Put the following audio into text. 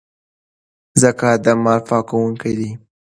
زکات د مال پاکونکی دی.